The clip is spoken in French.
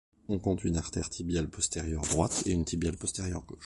On compte une artère tibiale postérieure droite et une tibiale postérieure gauche.